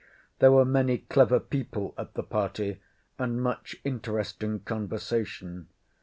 There were many clever people at the party and much interesting conversation.